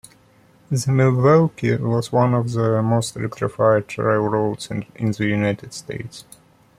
The Milwaukee was one of the most electrified railroads in the United States.